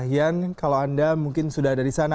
yan kalau anda mungkin sudah ada di sana